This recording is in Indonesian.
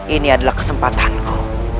ini adalah kesempatanku